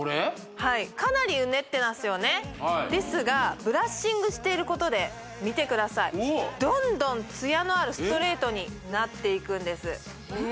はいかなりうねってますよねですがブラッシングしていることで見てくださいどんどんツヤのあるストレートになっていくんですえっ